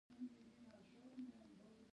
اکبر زمینداوری په زمینداور کښي اوسېدﺉ.